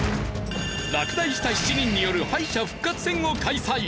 落第した７人による敗者復活戦を開催。